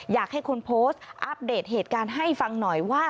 อยากให้คนโพสต์อัปเดตเหตุการณ์ให้ฟังหน่อยว่า